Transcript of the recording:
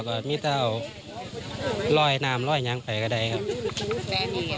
วตกกึ๊กลับเลยเพื่องเห็นนี่แล้วครับเวลากูดอยู่